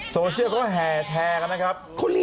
โซเชียร์กะแฮแชร์กะนะครับ